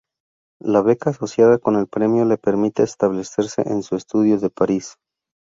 La beca asociada con el premio le permite establecerse en su estudio de París.